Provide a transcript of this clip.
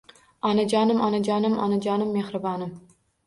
Onajonim Onajonim Onajonim mexribon